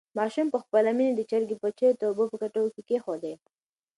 ماشوم په خپله مینه د چرګې بچیو ته اوبه په کټو کې کېښودې.